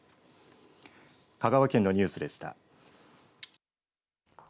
香川県のニュースでした。